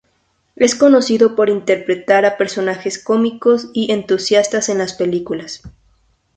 Es conocido por interpretar a personajes cómicos y entusiastas en las películas.